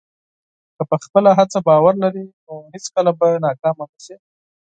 که په خپله هڅه باور لرې، نو هېڅکله به ناکام نه شې.